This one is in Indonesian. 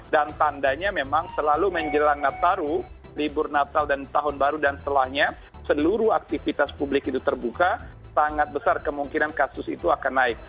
dan tandanya memang selalu menjelang nataru libur natal dan tahun baru dan setelahnya seluruh aktivitas publik itu terbuka sangat besar kemungkinan kasus itu akan naik